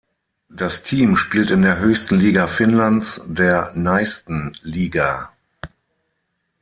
Das Team spielt in der höchsten Liga Finnlands, der Naisten Liiga.